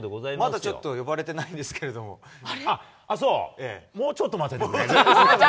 まだちょっと呼ばれてないんあっ、そう、もうちょっと待っててくれる？